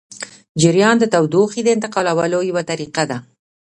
جریان د تودوخې د انتقالولو یوه طریقه ده.